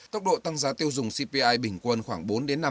tốc độ tăng giá tiêu dùng cpi bình quân khoảng bốn năm